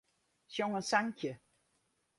Sjong in sankje.